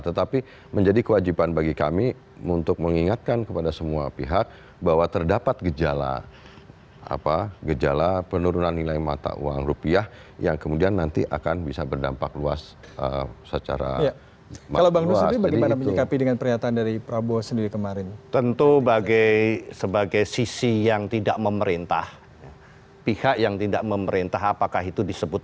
tetapi menjadi kewajiban bagi kami untuk mengingatkan kepada semua pihak bahwa terdapat gejala penurunan nilai mata uang rupiah yang kemudian nanti akan bisa berdampak luas